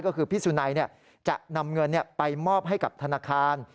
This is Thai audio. ก็คือพี่สุนัยจะนำเงินไปมอบให้กับธนาคาร